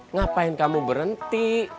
ngapain kamu berhenti